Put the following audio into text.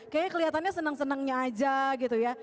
kayaknya kelihatannya senang senangnya aja gitu ya